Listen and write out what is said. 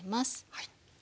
はい。